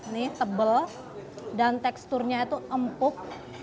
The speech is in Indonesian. nih tebel dan teksturnya itu empuk